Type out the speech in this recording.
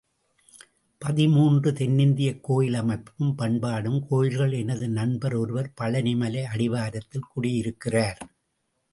பதிமூன்று தென்னிந்தியக் கோயில் அமைப்பும் பண்பாடும் கோயில்கள் எனது நண்பர் ஒருவர் பழநிமலை அடிவாரத்தில் குடி இருக்கிறார்.